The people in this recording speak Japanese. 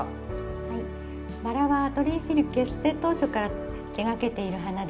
はいばらはアトリエＦｉｌ結成当初から手がけている花です。